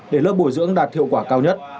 để lớp bồi dưỡng đạt hiệu quả cao nhất